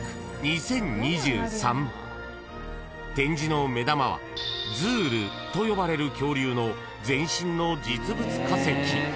［展示の目玉はズールと呼ばれる恐竜の全身の実物化石］